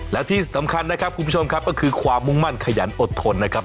และที่สำคัญนะครับคุณผู้ชมครับก็คือความมุ่งมั่นขยันอดทนนะครับ